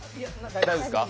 大丈夫ですか？